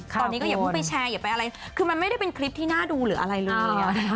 ตอนนี้ก็อย่าเพิ่งไปแชร์อย่าไปอะไรคือมันไม่ได้เป็นคลิปที่น่าดูหรืออะไรเลย